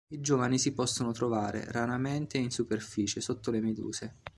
I giovani si possono trovare, raramente, in superficie, sotto le meduse.